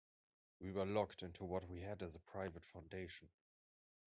We were locked into what we had as a private foundation.